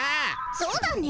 そうだね。